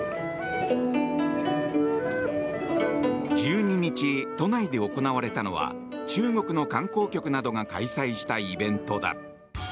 １２日、都内で行われたのは中国の観光局などが開催したイベントだ。